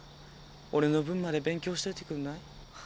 俺の分まで勉強しといてくんない？